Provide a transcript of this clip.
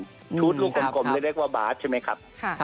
ชุดลูกกลมเรียกว่าบาสใช่ไหมครับ